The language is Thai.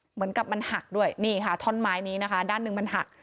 เหมือนกับมันหักด้วยนี่ค่ะท่อนไม้นี้นะคะด้านหนึ่งมันหัก